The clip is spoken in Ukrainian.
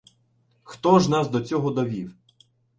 Хто ж нас до цього довів?